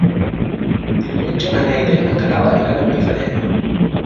Diumenge na Neida i na Queralt aniran a Benifallet.